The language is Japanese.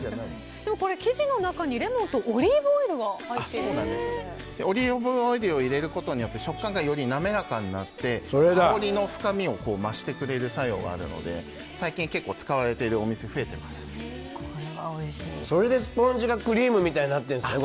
生地の中にレモンとオリーブオイルがオリーブオイルを入れることで食感がより滑らかになって香りの深みを増してくれる作用があるので最近結構、使われているそれでスポンジがクリームみたいになってるんですね。